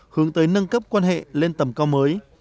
hướng tới nâng cấp quan hệ lên tầm cao mới